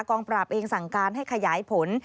ปราบเองสั่งการให้ขยายผล